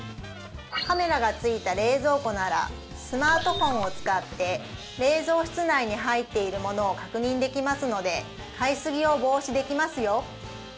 カメラが付いた冷蔵庫ならスマートフォンを使って冷蔵室内に入っているものを確認できますので買いすぎを防止できますよ